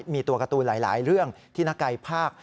มีตัวการ์ตูนหลายเรื่องที่นักกายภาค